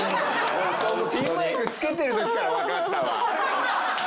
そのピンマイク付けてる時からわかったわ。